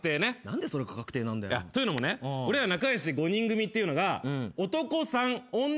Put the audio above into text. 何でそれが確定なんだよ？というのもね俺ら仲良し５人組っていうのが男３女２の５人組なんだけど。